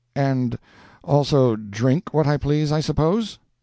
"And also drink what I please, I suppose?"